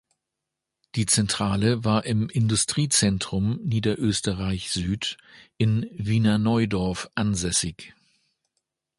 Die Zentrale war im Industriezentrum Niederösterreich Süd in Wiener Neudorf ansässig.